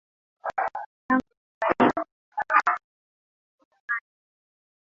tangu kufanyike kwa uchaguzi mkuu mwezi machi